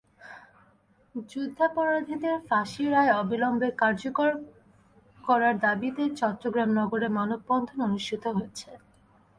যুদ্ধাপরাধীদের ফাঁসির রায় অবিলম্বে কার্যকর করার দাবিতে চট্টগ্রাম নগরে মানববন্ধন অনুষ্ঠিত হয়েছে।